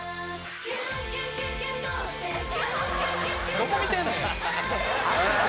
「どこ見てんねん！」「足足」